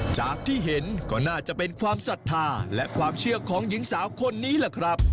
จากที่เห็นก็น่าจะเป็นความศรัทธาและความเชื่อของหญิงสาวคนนี้แหละครับ